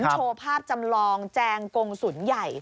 โชว์ภาพจำลองแจงกงศูนย์ใหญ่